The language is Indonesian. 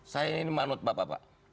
saya ini manut bapak